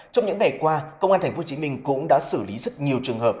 trong những ngày qua công an tp hcm cũng đã xử lý rất nhiều trường hợp